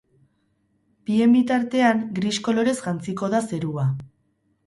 Bien bitartean, gris kolorez jantziko da zerua.